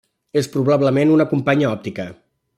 És probablement una companya òptica.